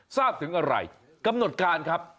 ทราบถึงอะไรกำหนดการครับ